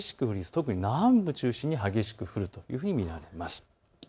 特に南部中心に激しく降ると見られます。